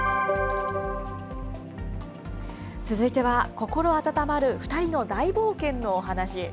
続いては心温まる２人の大冒険のお話。